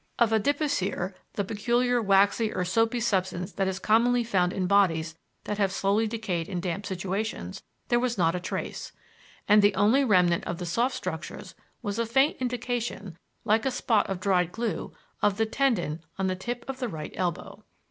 Of adipocere (the peculiar waxy or soapy substance that is commonly found in bodies that have slowly decayed in damp situations) there was not a trace; and the only remnant of the soft structures was a faint indication, like a spot of dried glue, of the tendon on the tip of the right elbow.